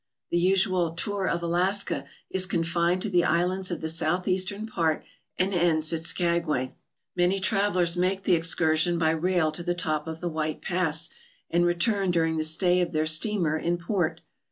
The usual "tour of Alaska" is confined to the islands of the southeastern part and ends at Skagway. Many travellers make the excursion by rail to the top of the White Pass and return during the stay of their steamer in port.